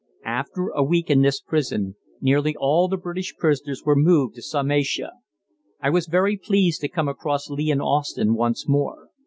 After a week in this prison nearly all the British prisoners were moved to Psamatia. I was very pleased to come across Lee and Austin once more.